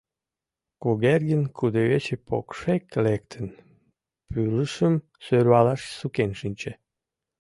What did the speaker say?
Кугергин, кудывече покшек лектын, пӱрышым сӧрвалаш сукен шинче: